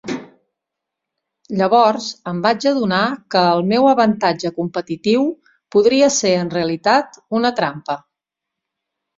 Llavors em vaig adonar que el meu avantatge competitiu podria ser en realitat una trampa.